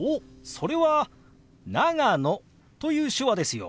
それは「長野」という手話ですよ。